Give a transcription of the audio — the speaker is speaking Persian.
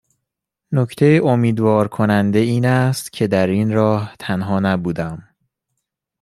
نکته امیدوارم کننده این است که در این راه تنها نبودم